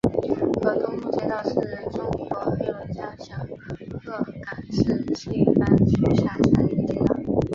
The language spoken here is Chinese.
河东路街道是中国黑龙江省鹤岗市兴安区下辖的一个街道。